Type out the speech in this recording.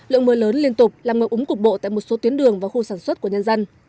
lượng mưa lớn liên tục làm ngập úng cục bộ tại một số tuyến đường và khu sản xuất của nhân dân